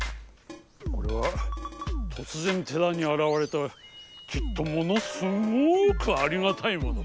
これはとつぜん寺にあらわれたきっとものすごくありがたいもの！